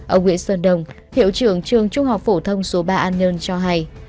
ở nguyễn sơn đông hiệu trường trường trung học phổ thông số ba an nhơn cho hay